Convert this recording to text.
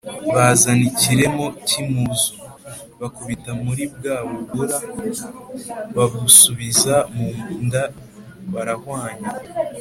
Bazana ikiremo cy'impuzu, bakubita muri bwa bura babusubiza mu nda barahwanya.